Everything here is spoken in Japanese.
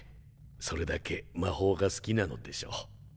それだけ魔法が好きなのでしょう。